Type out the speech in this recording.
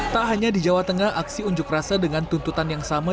tak hanya di jawa tengah aksi unjuk rasa dengan tuntutan yang sama